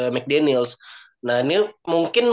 dan mcdaniels nah ini mungkin